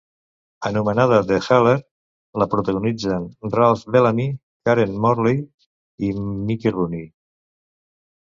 Anomenada "The Healer", la protagonitzen Ralph Bellamy, Karen Morley i Mickey Rooney.